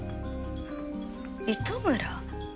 糸村？